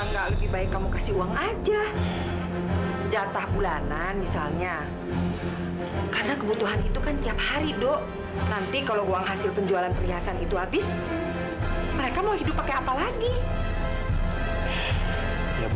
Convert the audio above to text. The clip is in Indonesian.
sampai jumpa di video selanjutnya